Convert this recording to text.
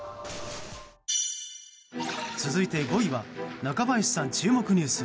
続いて５位は中林さん注目ニュース。